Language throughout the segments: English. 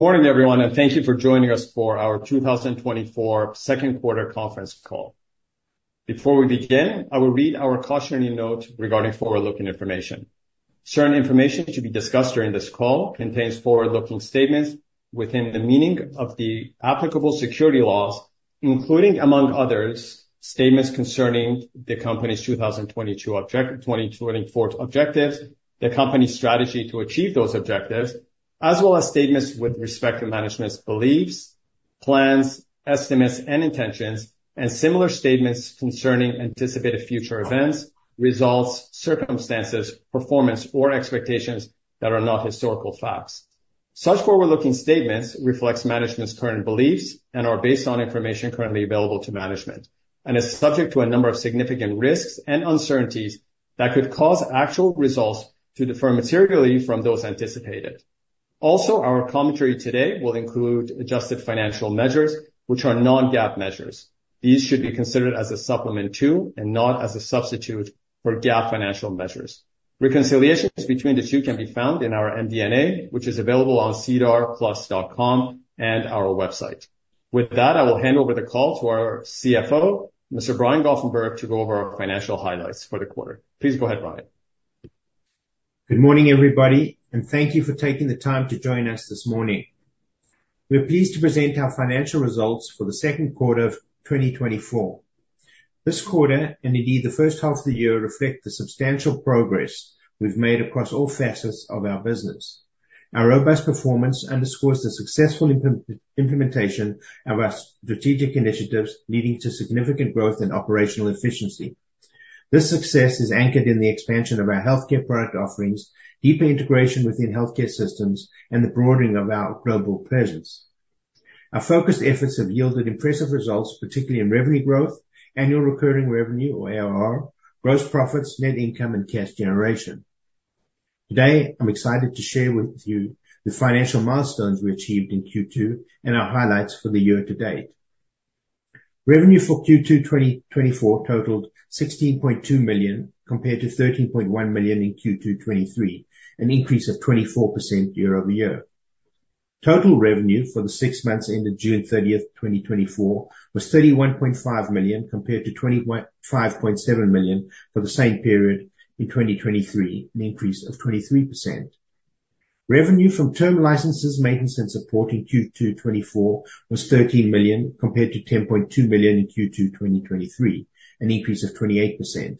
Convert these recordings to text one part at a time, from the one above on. Morning, everyone, and thank you for joining us for our 2024 second quarter conference call. Before we begin, I will read our cautionary note regarding forward-looking information. Certain information to be discussed during this call contains forward-looking statements within the meaning of the applicable security laws, including, among others, statements concerning the company's 2022 objective-- 2024 objectives, the company's strategy to achieve those objectives, as well as statements with respect to management's beliefs, plans, estimates, and intentions, and similar statements concerning anticipated future events, results, circumstances, performance, or expectations that are not historical facts. Such forward-looking statements reflects management's current beliefs and are based on information currently available to management, and is subject to a number of significant risks and uncertainties that could cause actual results to differ materially from those anticipated. Also, our commentary today will include adjusted financial measures, which are non-GAAP measures. These should be considered as a supplement to and not as a substitute for GAAP financial measures. Reconciliations between the two can be found in our MD&A, which is available on SEDARplus.com and our website. With that, I will hand over the call to our CFO, Mr. Brian Goffenberg, to go over our financial highlights for the quarter. Please go ahead, Brian. Good morning, everybody, and thank you for taking the time to join us this morning. We're pleased to present our financial results for the second quarter of 2024. This quarter, and indeed the first half of the year, reflect the substantial progress we've made across all facets of our business. Our robust performance underscores the successful implementation of our strategic initiatives, leading to significant growth and operational efficiency. This success is anchored in the expansion of our healthcare product offerings, deeper integration within healthcare systems, and the broadening of our global presence. Our focused efforts have yielded impressive results, particularly in revenue growth, annual recurring revenue, or ARR, gross profits, net income, and cash generation. Today, I'm excited to share with you the financial milestones we achieved in Q2 and our highlights for the year to date. Revenue for Q2 2024 totaled 16.2 million, compared to 13.1 million in Q2 2023, an increase of 24% year-over-year. Total revenue for the six months ended June thirtieth, 2024, was 31.5 million, compared to 25.7 million for the same period in 2023, an increase of 23%. Revenue from term licenses, maintenance, and support in Q2 2024 was 13 million, compared to 10.2 million in Q2 2023, an increase of 28%.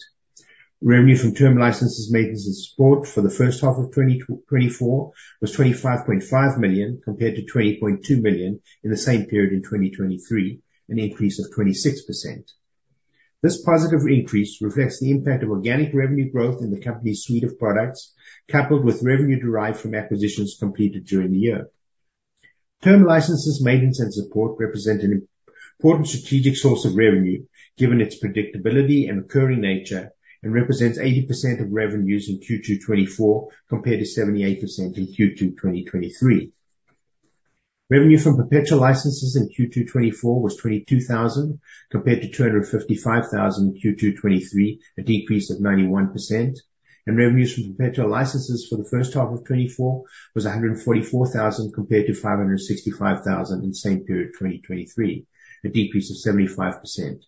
Revenue from term licenses, maintenance, and support for the first half of 2024 was 25.5 million, compared to 20.2 million in the same period in 2023, an increase of 26%. This positive increase reflects the impact of organic revenue growth in the company's suite of products, coupled with revenue derived from acquisitions completed during the year. Term licenses, maintenance, and support represent an important strategic source of revenue, given its predictability and recurring nature, and represents 80% of revenues in Q2 2024, compared to 78% in Q2 2023. Revenue from perpetual licenses in Q2 2024 was 22,000, compared to 255,000 in Q2 2023, a decrease of 91%, and revenues from perpetual licenses for the first half of 2024 was 144,000, compared to 565,000 in the same period, 2023, a decrease of 75%.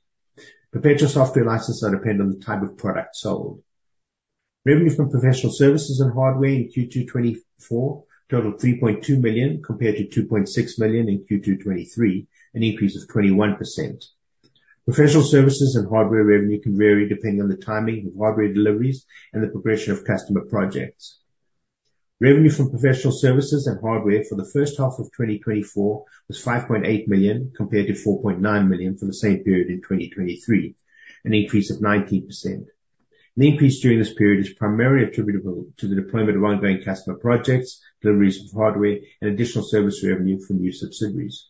Perpetual software licenses depend on the type of product sold. Revenue from professional services and hardware in Q2 2024 totaled 3.2 million, compared to 2.6 million in Q2 2023, an increase of 21%. Professional services and hardware revenue can vary depending on the timing of hardware deliveries and the progression of customer projects. Revenue from professional services and hardware for the first half of 2024 was 5.8 million, compared to 4.9 million for the same period in 2023, an increase of 19%. The increase during this period is primarily attributable to the deployment of ongoing customer projects, deliveries of hardware, and additional service revenue from new subsidiaries.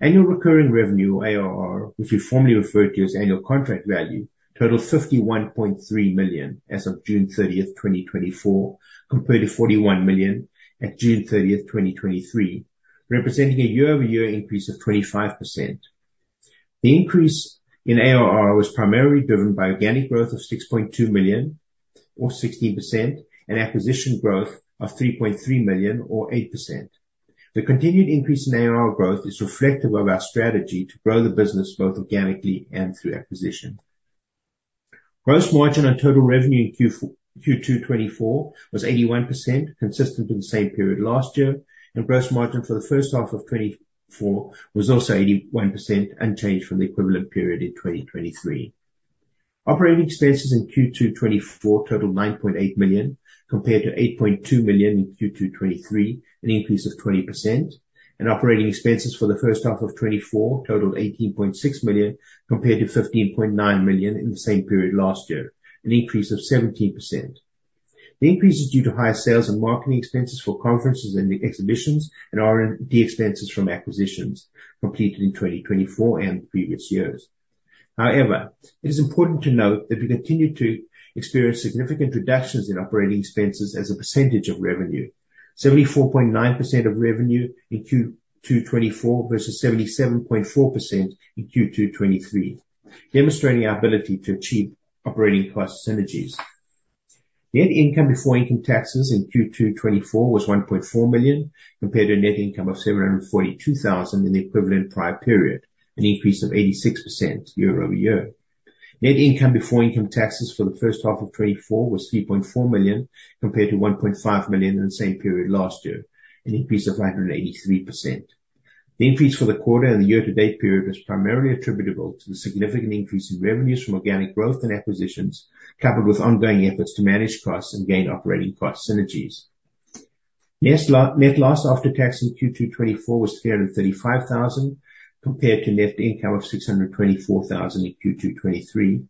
Annual recurring revenue, or ARR, which we formerly referred to as annual contract value, totaled 51.3 million as of June 30, 2024, compared to 41 million at June 30, 2023, representing a year-over-year increase of 25%. The increase in ARR was primarily driven by organic growth of 6.2 million, or 16%, and acquisition growth of 3.3 million, or 8%. The continued increase in ARR growth is reflective of our strategy to grow the business both organically and through acquisition. Gross margin on total revenue in Q2 2024 was 81%, consistent with the same period last year, and gross margin for the first half of 2024 was also 81%, unchanged from the equivalent period in 2023. Operating expenses in Q2 2024 totaled 9.8 million, compared to 8.2 million in Q2 2023, an increase of 20%, and operating expenses for the first half of 2024 totaled 18.6 million, compared to 15.9 million in the same period last year, an increase of 17%. The increase is due to higher sales and marketing expenses for conferences and exhibitions, and R&D expenses from acquisitions completed in 2024 and previous years. However, it is important to note that we continue to experience significant reductions in operating expenses as a percentage of revenue: 74.9% of revenue in Q2 2024 versus 77.4% in Q2 2023, demonstrating our ability to achieve operating cost synergies....Net income before income taxes in Q2 2024 was 1.4 million, compared to a net income of 742,000 in the equivalent prior period, an increase of 86% year-over-year. Net income before income taxes for the first half of 2024 was 3.4 million, compared to 1.5 million in the same period last year, an increase of 183%. The increase for the quarter and the year-to-date period was primarily attributable to the significant increase in revenues from organic growth and acquisitions, coupled with ongoing efforts to manage costs and gain operating cost synergies. Yes, net loss after tax in Q2 2024 was 335,000, compared to net income of 624,000 in Q2 2023,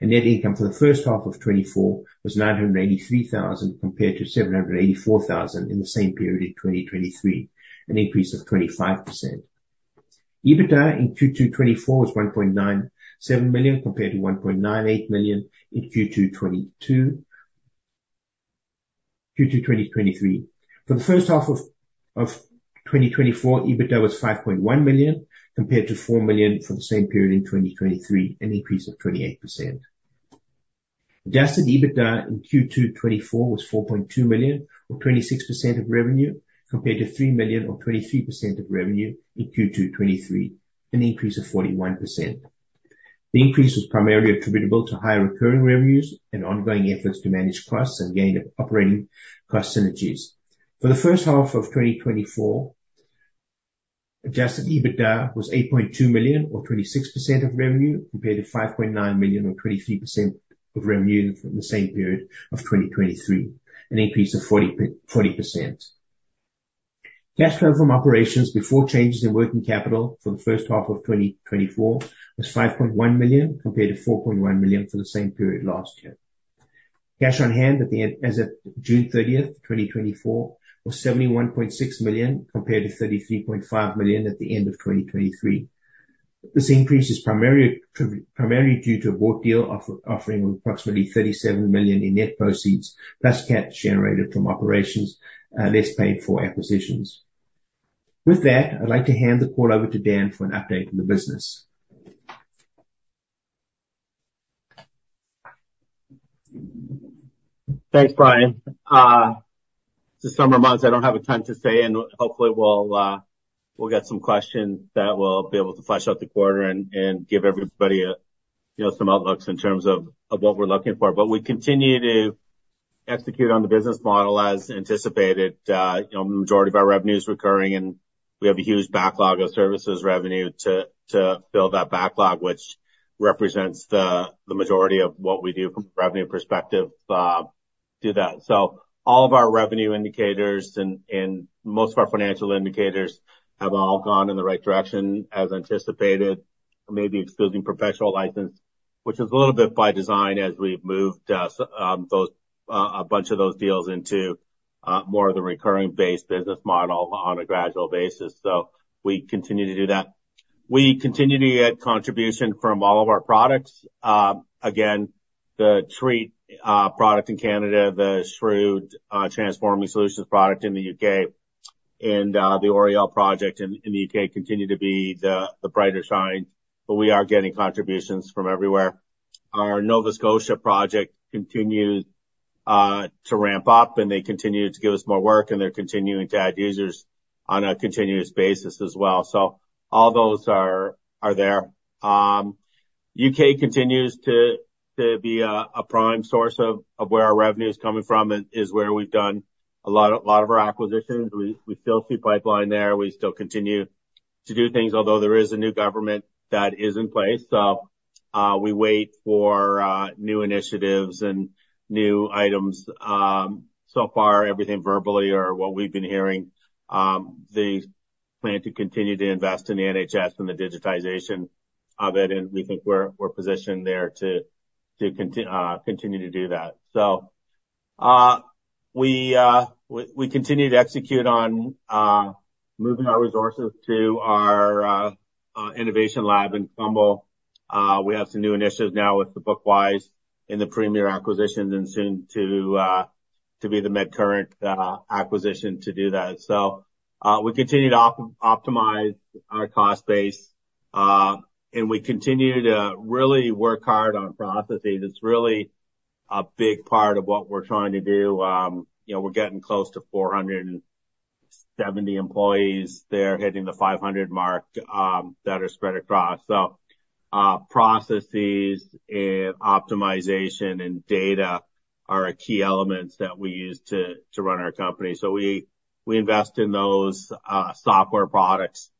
and net income for the first half of 2024 was 983,000, compared to 784,000 in the same period in 2023, an increase of 25%. EBITDA in Q2 2024 was 1.97 million, compared to 1.98 million in Q2 2023. For the first half of 2024, EBITDA was 5.1 million, compared to 4 million for the same period in 2023, an increase of 28%. Adjusted EBITDA in Q2 2024 was 4.2 million, or 26% of revenue, compared to 3 million or 23% of revenue in Q2 2023, an increase of 41%. The increase was primarily attributable to higher recurring revenues and ongoing efforts to manage costs and gain operating cost synergies. For the first half of 2024, adjusted EBITDA was 8.2 million, or 26% of revenue, compared to 5.9 million, or 23% of revenue from the same period of 2023, an increase of 40%. Cash flow from operations before changes in working capital for the first half of 2024 was 5.1 million, compared to 4.1 million for the same period last year. Cash on hand at the end—as of June 30, 2024, was 71.6 million, compared to 33.5 million at the end of 2023. This increase is primarily, primarily due to a bought deal offering approximately 37 million in net proceeds, plus cash generated from operations, less paid for acquisitions. With that, I'd like to hand the call over to Dan for an update on the business. Thanks, Brian. The summer months, I don't have a ton to say, and hopefully we'll get some questions that will be able to flesh out the quarter and give everybody a, you know, some outlooks in terms of what we're looking for. But we continue to execute on the business model as anticipated. You know, majority of our revenue is recurring, and we have a huge backlog of services revenue to fill that backlog, which represents the majority of what we do from a revenue perspective, do that. So all of our revenue indicators and, and most of our financial indicators have all gone in the right direction, as anticipated, maybe excluding perpetual license, which is a little bit by design as we've moved, so, those, a bunch of those deals into, more of the recurring base business model on a gradual basis. So we continue to do that. We continue to get contribution from all of our products. Again, the TREAT product in Canada, the SHREWD Transforming Systems product in the UK, and the Oriel project in the UK continue to be the brighter side, but we are getting contributions from everywhere. Our Nova Scotia project continued to ramp up, and they continued to give us more work, and they're continuing to add users on a continuous basis as well. So all those are there. UK continues to be a prime source of where our revenue is coming from, and is where we've done a lot of our acquisitions. We still see pipeline there. We still continue to do things, although there is a new government that is in place. So, we wait for new initiatives and new items. So far, everything verbally or what we've been hearing, they plan to continue to invest in the NHS and the digitization of it, and we think we're positioned there to continue to do that. So, we continue to execute on moving our resources to our innovation lab in Colombo. We have some new initiatives now with the BookWise and the Premier acquisitions, and soon to be the MedCurrent acquisition to do that. So, we continue to optimize our cost base, and we continue to really work hard on processes. It's really a big part of what we're trying to do. You know, we're getting close to 470 employees there, hitting the 500 mark that are spread across. So, processes and optimization and data are key elements that we use to run our company. So we invest in those software products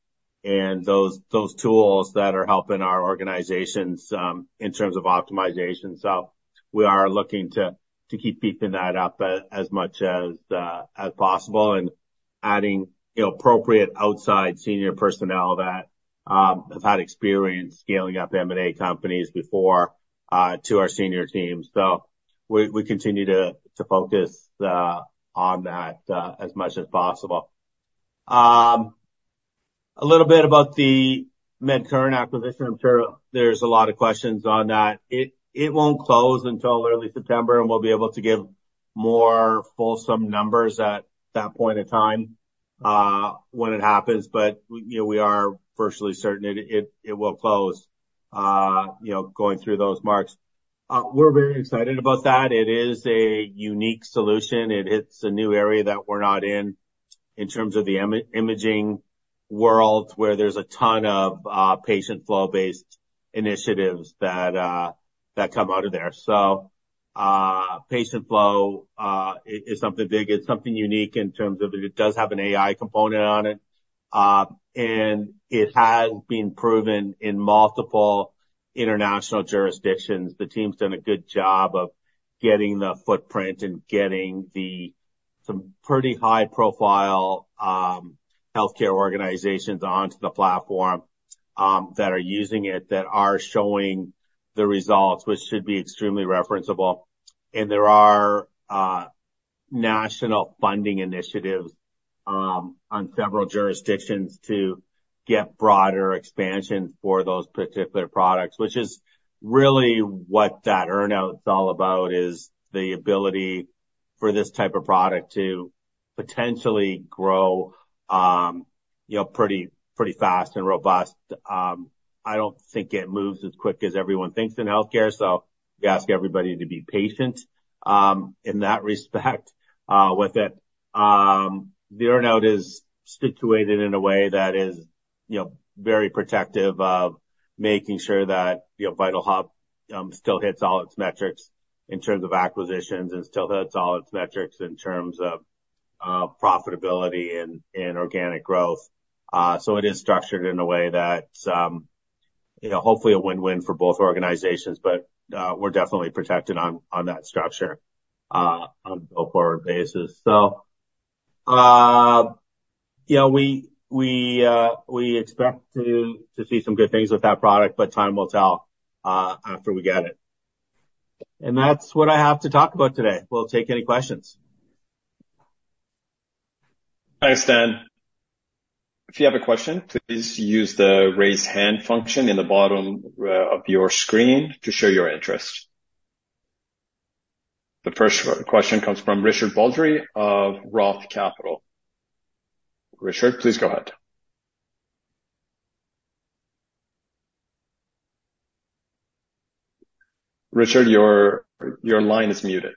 and those tools that are helping our organizations in terms of optimization. So we are looking to keep beefing that up as much as possible and adding, you know, appropriate outside senior personnel that have had experience scaling up M&A companies before to our senior team. So we continue to focus on that as much as possible. A little bit about the MedCurrent acquisition. I'm sure there's a lot of questions on that. It won't close until early September, and we'll be able to give more fulsome numbers at that point in time... when it happens, but we, you know, we are virtually certain it will close, you know, going through those marks. We're very excited about that. It is a unique solution. It hits a new area that we're not in, in terms of the imaging world, where there's a ton of patient flow-based initiatives that come out of there. So, patient flow is something big. It's something unique in terms of it. It does have an AI component on it, and it has been proven in multiple international jurisdictions. The team's done a good job of getting the footprint and getting some pretty high-profile healthcare organizations onto the platform that are using it, that are showing the results, which should be extremely referenceable. And there are national funding initiatives on several jurisdictions to get broader expansion for those particular products, which is really what that earn-out is all about, is the ability for this type of product to potentially grow, you know, pretty, pretty fast and robust. I don't think it moves as quick as everyone thinks in healthcare, so we ask everybody to be patient, in that respect, with it. The earn-out is situated in a way that is, you know, very protective of making sure that, you know, VitalHub still hits all its metrics in terms of acquisitions and still hits all its metrics in terms of profitability and organic growth. So it is structured in a way that, you know, hopefully a win-win for both organizations, but we're definitely protected on that structure, on a go-forward basis. So, yeah, we expect to see some good things with that product, but time will tell, after we get it. And that's what I have to talk about today. We'll take any questions. Thanks, Dan. If you have a question, please use the Raise Hand function in the bottom of your screen to show your interest. The first question comes from Richard Baldry of ROTH Capital. Richard, please go ahead. Richard, your line is muted.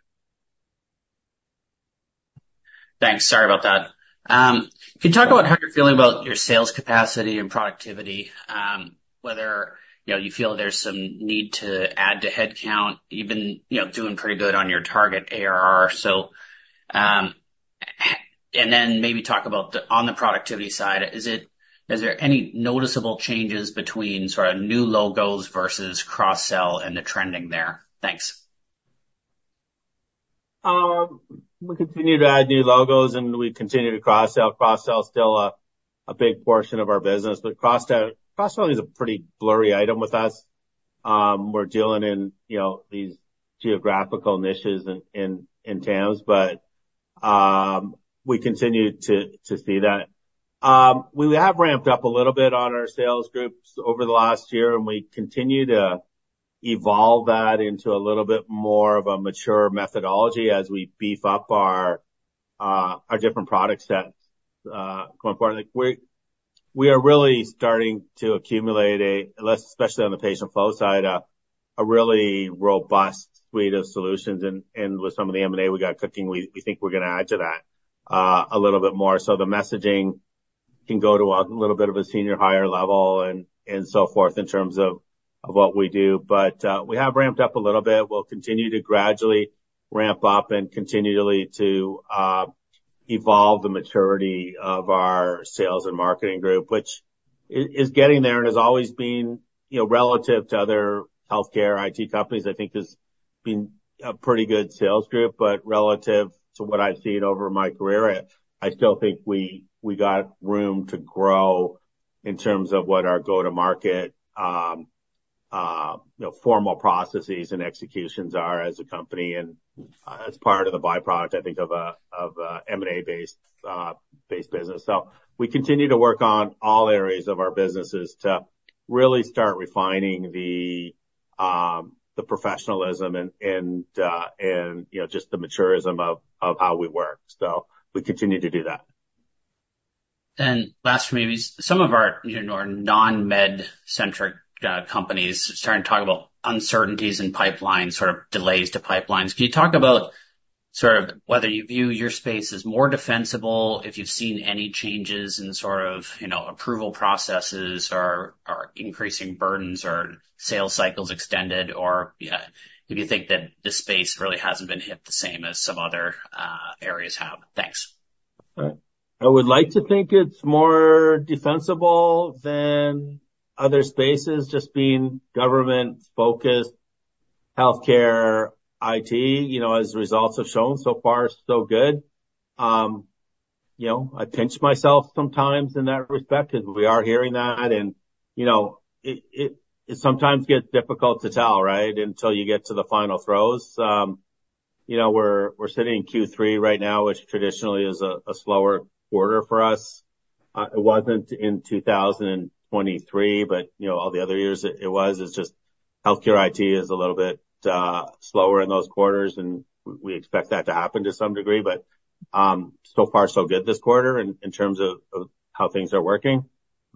Thanks. Sorry about that. Can you talk about how you're feeling about your sales capacity and productivity? Whether, you know, you feel there's some need to add to headcount, even, you know, doing pretty good on your target ARR. And then maybe talk about On the productivity side, is there any noticeable changes between sort of new logos versus cross-sell and the trending there? Thanks. We continue to add new logos, and we continue to cross-sell. Cross-sell is still a big portion of our business, but cross-sell is a pretty blurry item with us. We're dealing in, you know, these geographical niches in towns, but we continue to see that. We have ramped up a little bit on our sales groups over the last year, and we continue to evolve that into a little bit more of a mature methodology as we beef up our different product sets. More importantly, we are really starting to accumulate a less, especially on the patient flow side, a really robust suite of solutions, and with some of the M&A we got cooking, we think we're gonna add to that, a little bit more. So the messaging can go to a little bit of a senior higher level and so forth, in terms of what we do. But we have ramped up a little bit. We'll continue to gradually ramp up and continually to evolve the maturity of our sales and marketing group, which is getting there and has always been, you know, relative to other healthcare IT companies, I think there's been a pretty good sales group. But relative to what I've seen over my career, I still think we got room to grow in terms of what our go-to-market, you know, formal processes and executions are as a company and as part of the by-product, I think, of a M&A-based business. So we continue to work on all areas of our businesses to really start refining the professionalism and, you know, just the maturity of how we work. So we continue to do that. Last for me, some of our, you know, non-MedCurrent centric companies are starting to talk about uncertainties in pipeline, sort of delays to pipelines. Can you talk about sort of whether you view your space as more defensible, if you've seen any changes in sort of, you know, approval processes or increasing burdens or sales cycles extended, or if you think that this space really hasn't been hit the same as some other areas have? Thanks. Right. I would like to think it's more defensible than other spaces, just being government-focused healthcare IT, you know, as results have shown, so far, so good. You know, I pinch myself sometimes in that respect because we are hearing that, and, you know, it sometimes gets difficult to tell, right? Until you get to the final throes. You know, we're sitting in Q3 right now, which traditionally is a slower quarter for us. It wasn't in 2023, but, you know, all the other years it was. It's just healthcare IT is a little bit slower in those quarters, and we expect that to happen to some degree, but, so far, so good this quarter in terms of how things are working.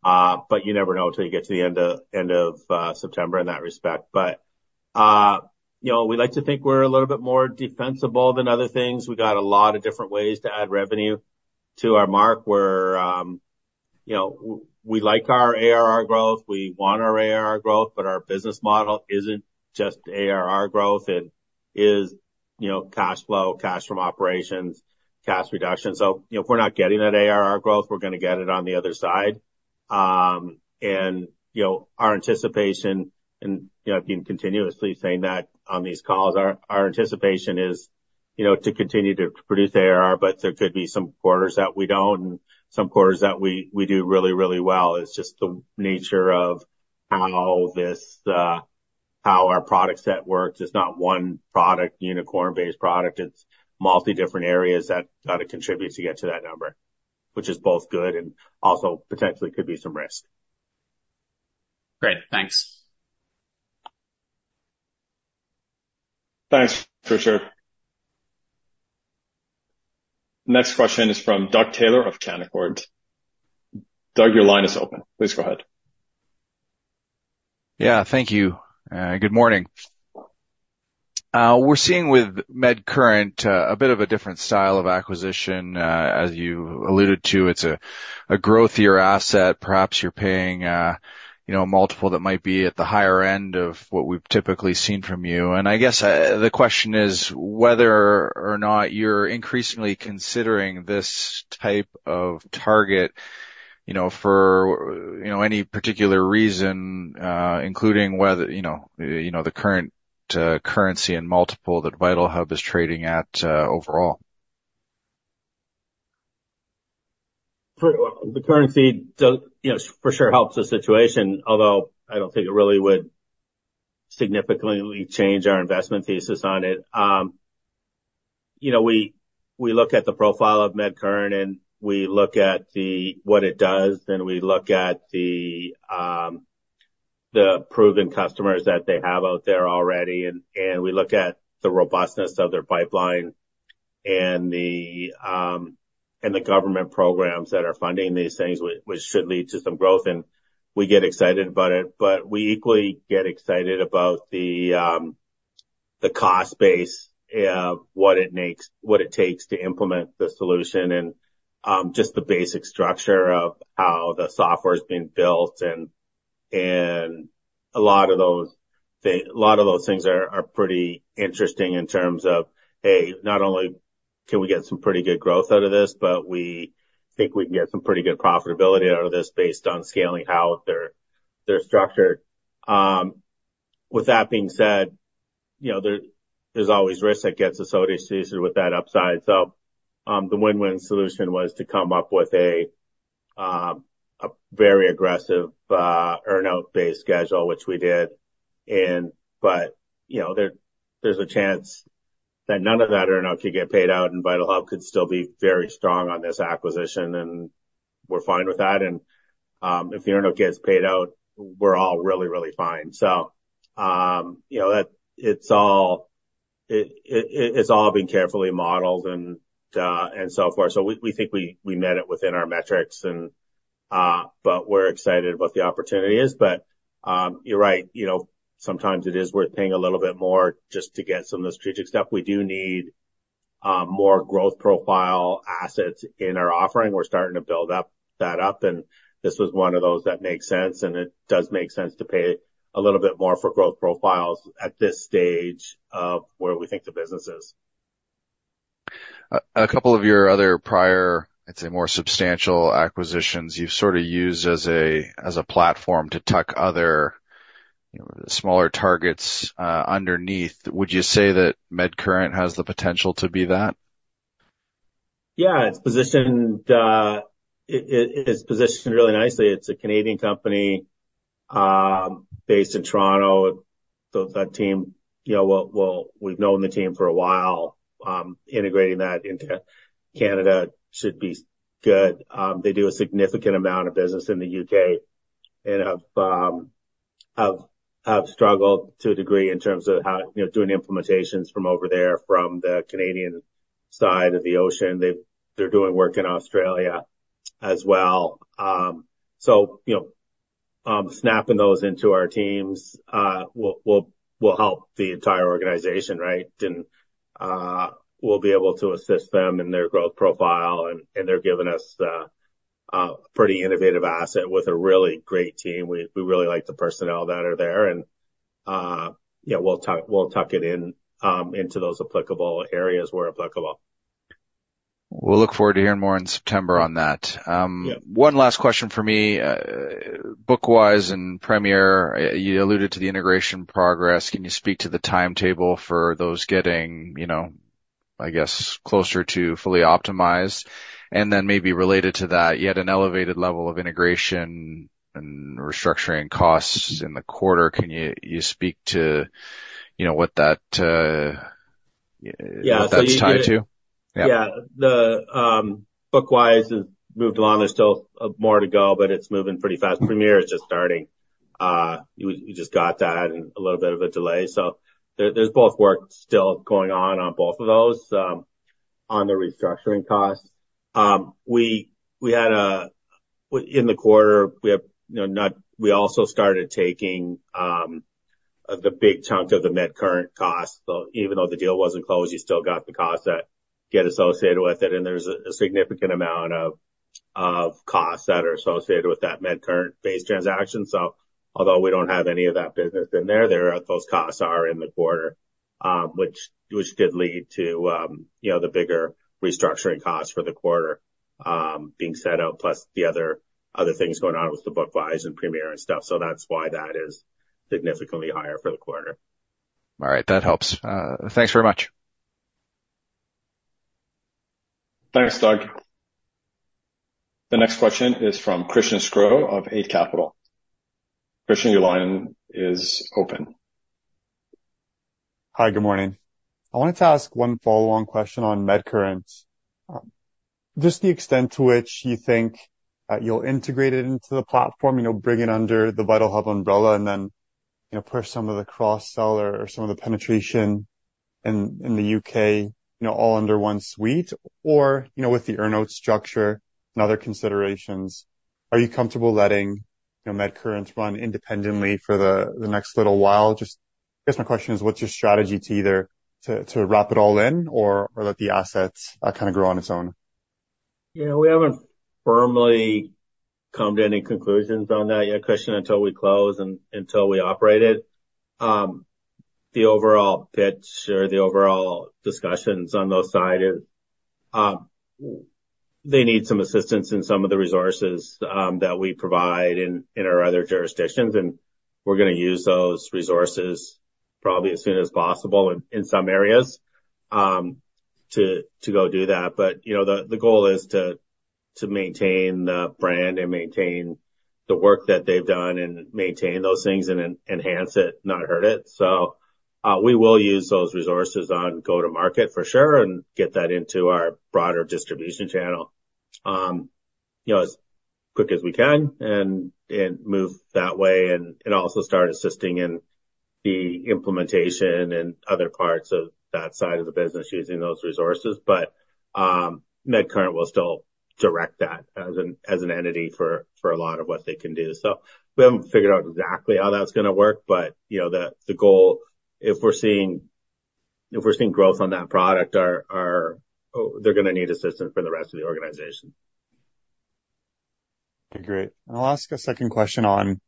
But you never know until you get to the end of September in that respect. But, you know, we like to think we're a little bit more defensible than other things. We got a lot of different ways to add revenue to our mark. We're, you know, we like our ARR growth, we want our ARR growth, but our business model isn't just ARR growth. It is, you know, cash flow, cash from operations, cash reduction. So, you know, if we're not getting that ARR growth, we're gonna get it on the other side. And, you know, our anticipation, and, you know, I've been continuously saying that on these calls, our anticipation is, you know, to continue to produce ARR, but there could be some quarters that we don't, and some quarters that we do really, really well. It's just the nature of how our product set works. It's not one product, unicorn-based product. It's multi different areas that gotta contribute to get to that number, which is both good and also potentially could be some risk. Great, thanks. Thanks, Richard. Next question is from Doug Taylor of Canaccord. Doug, your line is open. Please go ahead. Yeah, thank you. Good morning. We're seeing with MedCurrent a bit of a different style of acquisition. As you alluded to, it's a growthier asset. Perhaps you're paying, you know, a multiple that might be at the higher end of what we've typically seen from you. And I guess the question is whether or not you're increasingly considering this type of target, you know, for, you know, any particular reason, including whether, you know, you know, the current currency and multiple that VitalHub is trading at overall. For the currency, you know, for sure helps the situation, although I don't think it really would significantly change our investment thesis on it. You know, we, we look at the profile of MedCurrent, and we look at what it does, then we look at the proven customers that they have out there already. And, and we look at the robustness of their pipeline and the government programs that are funding these things, which, which should lead to some growth, and we get excited about it. But we equally get excited about the cost base, what it takes to implement the solution and just the basic structure of how the software is being built. A lot of those things are pretty interesting in terms of, hey, not only can we get some pretty good growth out of this, but we think we can get some pretty good profitability out of this based on scaling how they're structured. With that being said, you know, there's always risk that gets associated with that upside. So, the win-win solution was to come up with a very aggressive earn-out base schedule, which we did. But, you know, there's a chance that none of that earn-out could get paid out, and VitalHub could still be very strong on this acquisition, and we're fine with that. And, if the earn-out gets paid out, we're all really, really fine. So, you know, that it's all... It's all been carefully modeled and so forth. So we think we met it within our metrics, but we're excited about the opportunities. But you're right, you know, sometimes it is worth paying a little bit more just to get some of the strategic stuff. We do need more growth profile assets in our offering. We're starting to build that up, and this was one of those that makes sense, and it does make sense to pay a little bit more for growth profiles at this stage of where we think the business is. A couple of your other prior, I'd say, more substantial acquisitions, you've sort of used as a, as a platform to tuck other, you know, smaller targets, underneath. Would you say that MedCurrent has the potential to be that? Yeah, it's positioned really nicely. It's a Canadian company based in Toronto. The team, you know, well, we've known the team for a while. Integrating that into Canada should be good. They do a significant amount of business in the UK and have struggled to a degree in terms of how, you know, doing implementations from over there, from the Canadian side of the ocean. They've, they're doing work in Australia as well. So, you know, snapping those into our teams will help the entire organization, right? And we'll be able to assist them in their growth profile, and they're giving us a pretty innovative asset with a really great team. We really like the personnel that are there, and yeah, we'll tuck it in into those applicable areas where applicable. We'll look forward to hearing more in September on that. Yeah. One last question for me. BookWise and Premier, you alluded to the integration progress. Can you speak to the timetable for those getting, you know, I guess, closer to fully optimized? And then maybe related to that, you had an elevated level of integration and restructuring costs in the quarter. Can you speak to, you know, what that... Yeah. That's tied to? Yeah. Yeah, the BookWise has moved along. There's still more to go, but it's moving pretty fast. Premier is just starting. We just got that and a little bit of a delay, so there's both work still going on both of those. On the restructuring costs? We had in the quarter. We have, you know, not—we also started taking the big chunk of the MedCurrent costs. So even though the deal wasn't closed, you still got the costs that get associated with it, and there's a significant amount of costs that are associated with that MedCurrent-based transaction. So although we don't have any of that business in there, there are those costs in the quarter, which did lead to, you know, the bigger restructuring costs for the quarter being set out, plus the other things going on with the BookWise and Premier and stuff. So that's why that is significantly higher for the quarter. All right. That helps. Thanks very much. Thanks, Doug. The next question is from Christian Sgro of Eight Capital. Christian, your line is open. Hi, good morning. I wanted to ask one follow-along question on MedCurrent. Just the extent to which you think you'll integrate it into the platform, you know, bring it under the VitalHub umbrella and then, you know, push some of the cross-sell or, or some of the penetration in, in the UK, you know, all under one suite? Or, you know, with the earn-out structure and other considerations, are you comfortable letting, you know, MedCurrent run independently for the, the next little while? Just I guess my question is, what's your strategy to either to, to wrap it all in or, or let the assets kind of grow on its own? Yeah, we haven't firmly come to any conclusions on that yet, Christian, until we close and until we operate it. The overall pitch or the overall discussions on that side is, they need some assistance in some of the resources that we provide in our other jurisdictions, and we're gonna use those resources probably as soon as possible in some areas to go do that. But, you know, the goal is to maintain the brand and maintain the work that they've done and maintain those things and enhance it, not hurt it. So, we will use those resources on go-to-market, for sure, and get that into our broader distribution channel, you know, as quick as we can and move that way, and also start assisting in the implementation and other parts of that side of the business using those resources. But, MedCurrent will still direct that as an entity for a lot of what they can do. So we haven't figured out exactly how that's gonna work, but, you know, the goal, if we're seeing growth on that product, they're gonna need assistance from the rest of the organization. Okay, great. I'll ask a second question on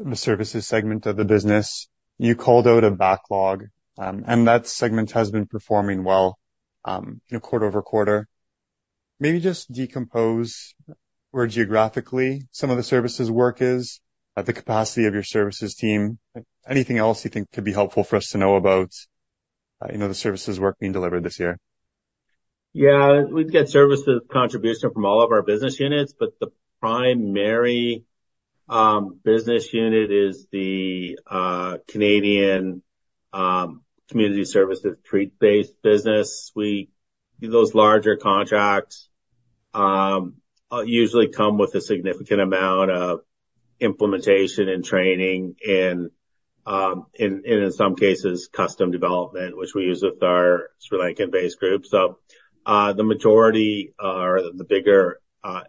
the services segment of the business. You called out a backlog, and that segment has been performing well, you know, quarter-over-quarter. Maybe just decompose where geographically some of the services work is, the capacity of your services team. Anything else you think could be helpful for us to know about, you know, the services work being delivered this year? Yeah, we've got services contribution from all of our business units, but the primary business unit is the Canadian community services TREAT-based business. Those larger contracts usually come with a significant amount of implementation and training and, in some cases, custom development, which we use with our Sri Lankan-based group. So, the majority or the bigger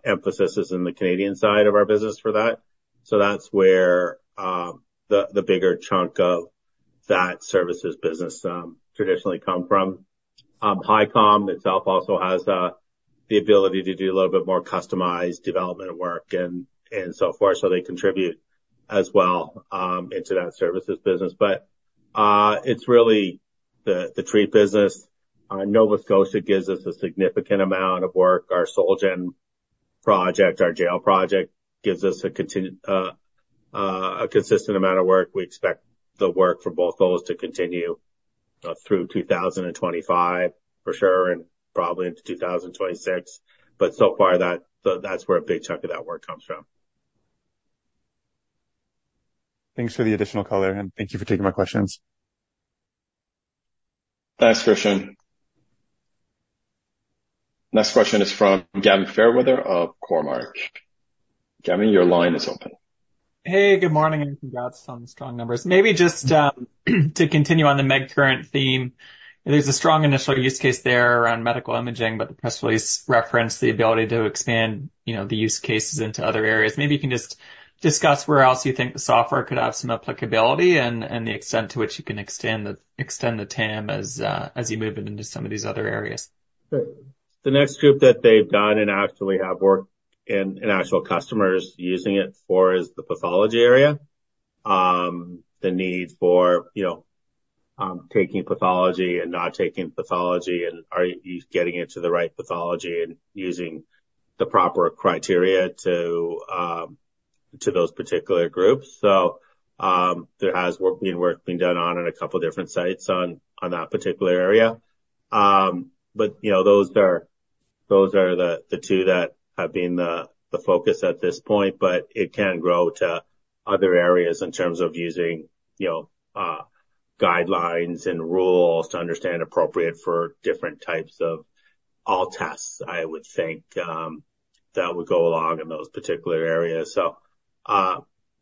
emphasis is in the Canadian side of our business for that. So that's where the bigger chunk of that services business traditionally come from. Hicom itself also has the ability to do a little bit more customized development work and so forth, so they contribute as well into that services business. But, it's really the TREAT business. Nova Scotia gives us a significant amount of work. Our SolGen project, our jail project, gives us a consistent amount of work. We expect the work from both those to continue through 2025, for sure, and probably into 2026. But so far, so that's where a big chunk of that work comes from. Thanks for the additional color, and thank you for taking my questions. Thanks, Christian. Next question is from Gavin Fairweather of Cormark. Gavin, your line is open. Hey, good morning, and congrats on the strong numbers. Maybe just to continue on the MedCurrent theme, there's a strong initial use case there around medical imaging, but the press release referenced the ability to expand, you know, the use cases into other areas. Maybe you can just discuss where else you think the software could have some applicability and the extent to which you can extend the TAM as you move it into some of these other areas. Sure. The next group that they've done and actually have worked and, and actual customers using it for is the pathology area. The need for, you know, taking pathology and not taking pathology, and are you getting it to the right pathology and using the proper criteria to, to those particular groups. So, there has work, been work being done on in a couple different sites on, on that particular area. But, you know, those are the two that have been the focus at this point, but it can grow to other areas in terms of using, you know, guidelines and rules to understand appropriate for different types of all tests, I would think, that would go along in those particular areas. So,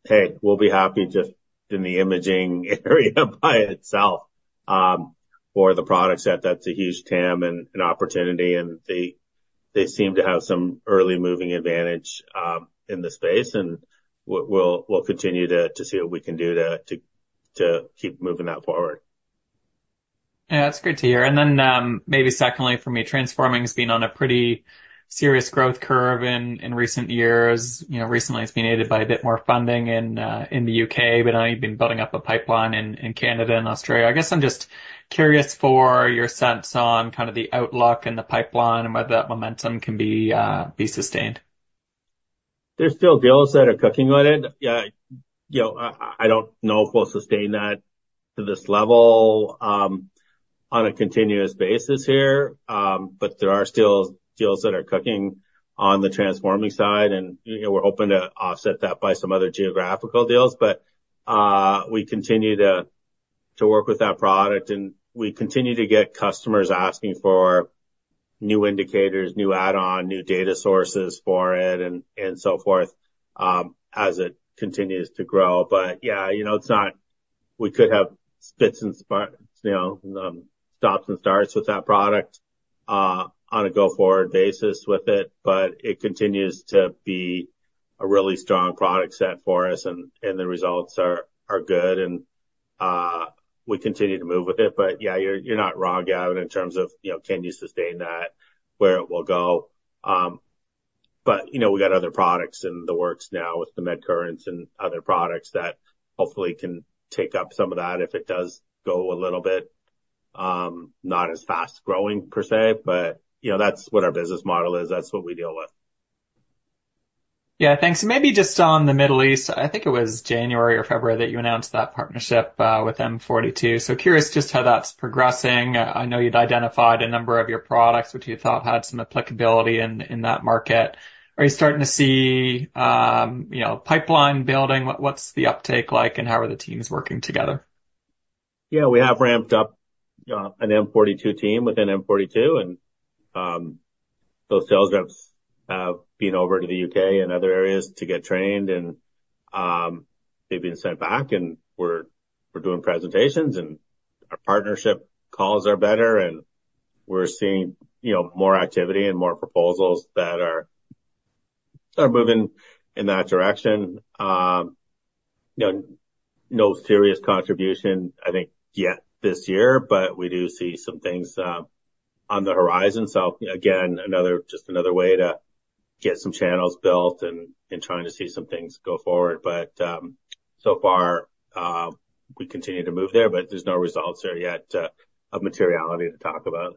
hey, we'll be happy just in the imaging area by itself, for the product set, that's a huge TAM and an opportunity, and they seem to have some early moving advantage, in the space, and we'll continue to keep moving that forward. Yeah, that's good to hear. Then, maybe secondly, for me, Transforming has been on a pretty serious growth curve in recent years. You know, recently it's been aided by a bit more funding in the UK, but now you've been building up a pipeline in Canada and Australia. I guess I'm just curious for your sense on kind of the outlook and the pipeline and whether that momentum can be sustained. There's still deals that are cooking with it. Yeah, you know, I don't know if we'll sustain that to this level on a continuous basis here. But there are still deals that are cooking on the Transforming side, and, you know, we're hoping to offset that by some other geographical deals. But we continue to work with that product, and we continue to get customers asking for new indicators, new add-on, new data sources for it, and so forth as it continues to grow. But yeah, you know, it's not -- we could have stops and starts with that product on a go-forward basis with it, but it continues to be a really strong product set for us, and the results are good, and we continue to move with it. But yeah, you're, you're not wrong, Gavin, in terms of, you know, can you sustain that? Where it will go. But, you know, we got other products in the works now with the MedCurrent's and other products that hopefully can take up some of that if it does go a little bit, not as fast-growing per se, but, you know, that's what our business model is. That's what we deal with. Yeah. Thanks. Maybe just on the Middle East, I think it was January or February that you announced that partnership with M42. So curious just how that's progressing. I know you'd identified a number of your products which you thought had some applicability in that market. Are you starting to see, you know, pipeline building? What's the uptake like, and how are the teams working together? Yeah, we have ramped up an M42 team within M42, and those sales reps have been over to the UK and other areas to get trained and they've been sent back, and we're doing presentations, and our partnership calls are better, and we're seeing, you know, more activity and more proposals that are moving in that direction. You know, no serious contribution, I think, yet this year, but we do see some things on the horizon. So again, just another way to get some channels built and trying to see some things go forward. But so far, we continue to move there, but there's no results there yet of materiality to talk about.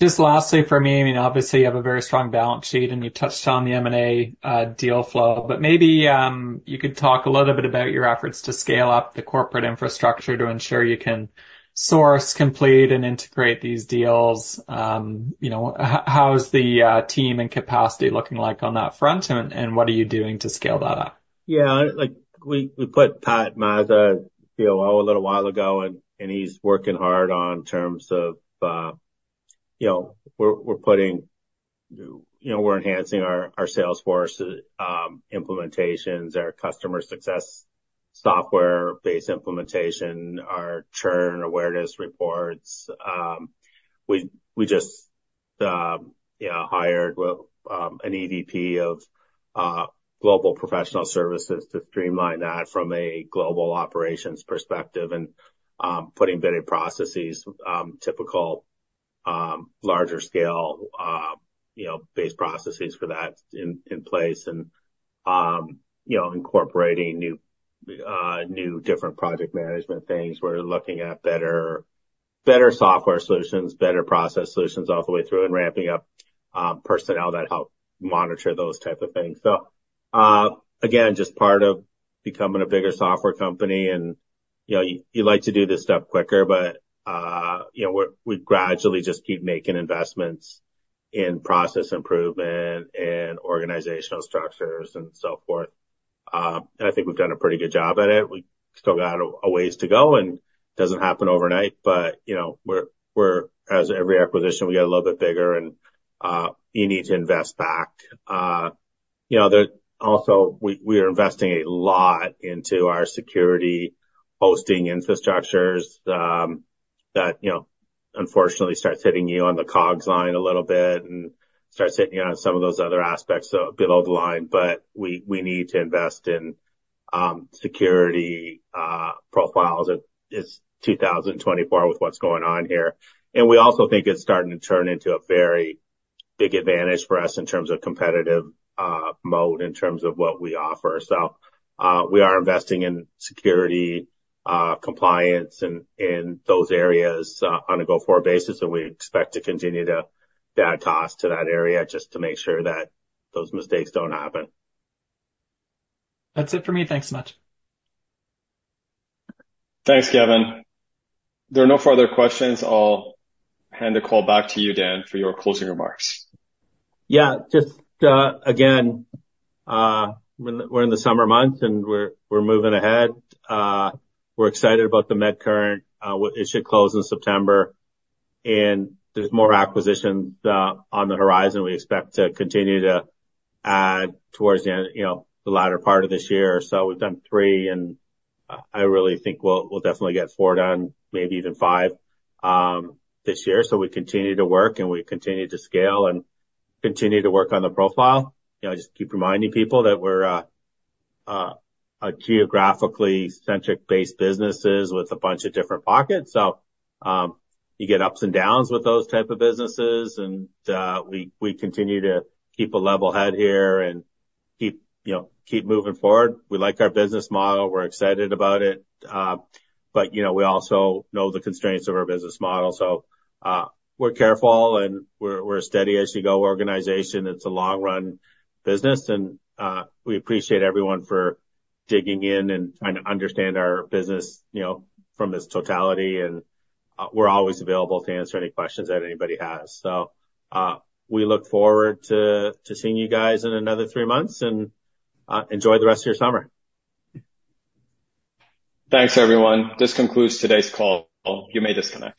Just lastly for me, I mean, obviously, you have a very strong balance sheet, and you touched on the M&A deal flow, but maybe you could talk a little bit about your efforts to scale up the corporate infrastructure to ensure you can source, complete, and integrate these deals. You know, how's the team and capacity looking like on that front, and what are you doing to scale that up? Yeah, like, we put Pat Mazza, COO, a little while ago, and he's working hard on terms of, you know, we're putting... You know, we're enhancing our Salesforce implementations, our customer success, software-based implementation, our churn awareness reports. We just, you know, hired, well, an EVP of global professional services to streamline that from a global operations perspective and putting better processes, typical larger scale, you know, based processes for that in place and, you know, incorporating new different project management things. We're looking at better software solutions, better process solutions all the way through and ramping up personnel that help monitor those type of things. So, again, just part of becoming a bigger software company, and, you know, you like to do this stuff quicker, but, you know, we gradually just keep making investments in process improvement and organizational structures and so forth. And I think we've done a pretty good job at it. We've still got a ways to go, and it doesn't happen overnight, but, you know, we're, as every acquisition, we get a little bit bigger, and you need to invest back. You know, also, we are investing a lot into our security hosting infrastructures, that, you know, unfortunately, starts hitting you on the COGS line a little bit and starts hitting you on some of those other aspects, so EBITDA line. But we need to invest in security profiles. It is 2024 with what's going on here. We also think it's starting to turn into a very big advantage for us in terms of competitive moat, in terms of what we offer. We are investing in security, compliance and those areas on a go-forward basis, and we expect to continue to add costs to that area just to make sure that those mistakes don't happen. That's it for me. Thanks so much. Thanks, Gavin. There are no further questions. I'll hand the call back to you, Dan, for your closing remarks. Yeah, just, again, we're in the summer months, and we're moving ahead. We're excited about the MedCurrent. It should close in September, and there's more acquisitions on the horizon. We expect to continue to add towards the end, you know, the latter part of this year. So we've done three, and I really think we'll definitely get four done, maybe even five, this year. So we continue to work, and we continue to scale and continue to work on the profile. You know, I just keep reminding people that we're a geographically centric-based businesses with a bunch of different pockets. So, you get ups and downs with those type of businesses, and, we continue to keep a level head here and keep, you know, keep moving forward. We like our business model. We're excited about it. But, you know, we also know the constraints of our business model. So, we're careful, and we're a steady-as-you-go organization. It's a long-run business, and we appreciate everyone for digging in and trying to understand our business, you know, from its totality, and we're always available to answer any questions that anybody has. So, we look forward to seeing you guys in another three months, and enjoy the rest of your summer. Thanks, everyone. This concludes today's call. You may disconnect.